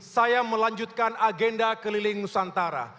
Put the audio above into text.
saya melanjutkan agenda keliling nusantara